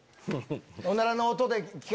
おならの音で企画。